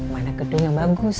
mana gedung yang bagus